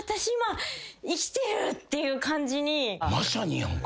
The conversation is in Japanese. まさにやんか。